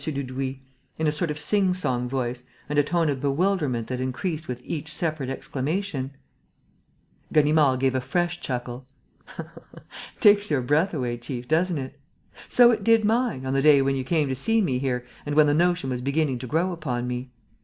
Dudouis, in a sort of sing song voice and a tone of bewilderment that increased with each separate exclamation. Ganimard gave a fresh chuckle. "Takes your breath away, chief, doesn't it? So it did mine, on the day when you came to see me here and when the notion was beginning to grow upon me.